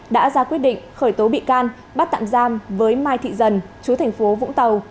đã ra quyết định khởi tố bị can bắt tạm giam với mai thị dần chú thành phố vũng tàu